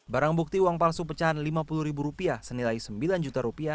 barang bukti uang palsu pecahan lima puluh ribu rupiah senilai sembilan juta rupiah